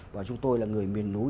và chúng tôi là người miền núi